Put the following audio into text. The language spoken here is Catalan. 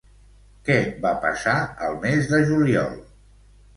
Què va passar al mes de juliol?